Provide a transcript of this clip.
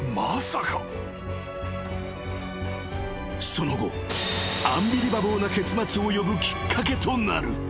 ［その後アンビリバボーな結末を呼ぶきっかけとなる］